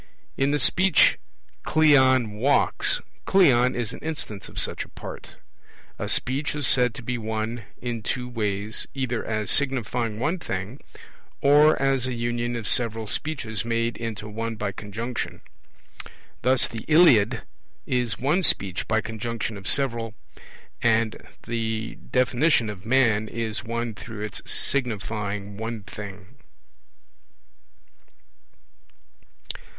In the Speech 'Cleon walks', 'Cleon' is an instance of such a part. A Speech is said to be one in two ways, either as signifying one thing, or as a union of several Speeches made into one by conjunction. Thus the Iliad is one Speech by conjunction of several; and the definition of man is one through its signifying one thing.